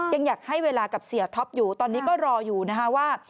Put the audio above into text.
ยังอยากให้เวลากับเสียท็อปอยู่ตอนนี้ก็รออยู่นะคะว่า